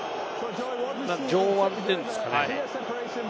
上腕というんですかね。